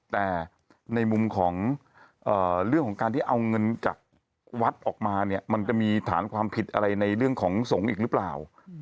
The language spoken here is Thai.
แต่ในมุมของเรื่องของการที่เอาเงินจากวัดออกมาเนี่ยมันจะมีฐานความผิดอะไรในเรื่องของสงฆ์อีกหรือเปล่า